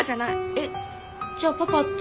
えっじゃあパパって。